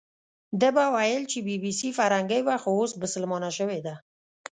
ده به ویل چې بي بي سي فیرنګۍ وه، خو اوس بسلمانه شوې ده.